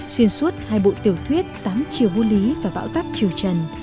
xuyên suốt hai bộ tiểu thuyết tám triều vua lý và bảo tác triều trần